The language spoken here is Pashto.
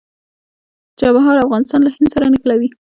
چابهار افغانستان له هند سره نښلوي